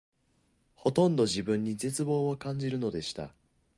ほとんど自分に絶望を感じるのでした